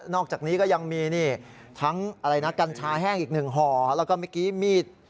อกจากนี้ก็ยังมีนี่ทั้งอะไรนะกัญชาแห้งอีกหนึ่งห่อแล้วก็เมื่อกี้มีด